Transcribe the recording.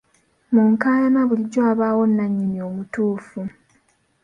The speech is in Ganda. Mu nkaayana bulijjo wabaawo nnannyini omutuufu.